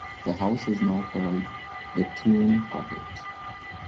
The house is now called "Bethune Cottage".